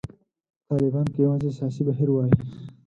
طالبان که یوازې سیاسي بهیر وای.